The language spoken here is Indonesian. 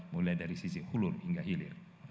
mulai dari sisi hulu hingga hilir